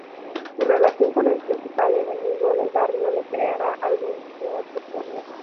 Su relación con el principal enemigo del barrio le creará algún que otro problema.